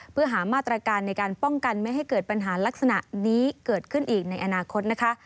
เพื่อหามาตรการในการป้องกันไม่ให้เกิดปัญหาลักษณะนี้เกิดขึ้นอีกในอนาคตนะคะ